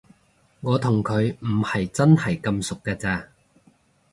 我同佢唔係真係咁熟㗎咋